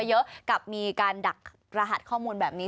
เยอะกับมีการดักรหัสข้อมูลแบบนี้